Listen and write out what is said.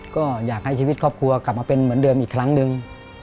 ก็อยากให้ชีวิตครอบครัวกลับมาเป็นเหมือนเดิมอีกครั้งหนึ่ง